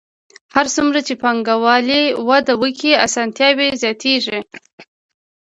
هر څومره چې پانګوالي وده وکړي اسانتیاوې زیاتېږي